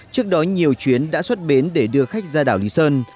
trước đó nhiều chuyến đã xuất bến để đưa khách ra đảo lý sơn